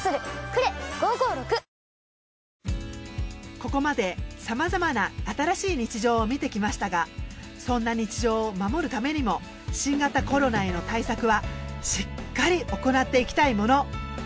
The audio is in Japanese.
ここまでさまざまな「＃新しい日常」を見てきましたがそんな日常を守るためにも新型コロナへの対策はしっかり行っていきたいもの。